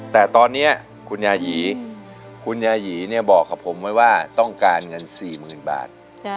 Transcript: แต่ตอนนี้คุณยายีคุณยายีเนี่ยบอกกับผมไว้ว่าต้องการเงิน๔๐๐๐บาท